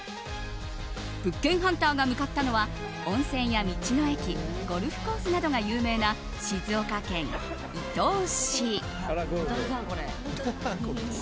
物件ハンターが向かったのは温泉や道の駅ゴルフコースなどが有名な静岡県伊東市。